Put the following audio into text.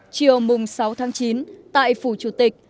chiều mùng sáu tháng chín tại phủ chủ tịch